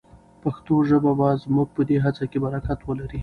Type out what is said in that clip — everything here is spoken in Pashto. پښتو ژبه به زموږ په دې هڅه کې برکت ولري.